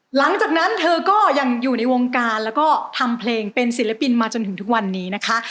หลังจากนั้นเธอก็ยังอยู่ในวงการแล้วก็ทำเพลงเป็นศิลปินมาจนถึงทุกวันนี้นะคะ